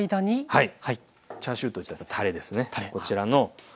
はい。